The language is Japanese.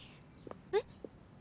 えっ？